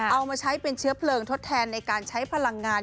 เอามาใช้เป็นเชื้อเพลิงทดแทนในการใช้พลังงาน